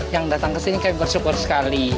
yang datang ke sini kami bersyukur sekali